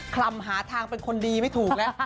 ลำหาทางเป็นคนดีไม่ถูกแล้ว